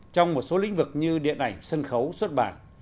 trong một số lĩnh vực như điện ảnh sân khấu xuất bản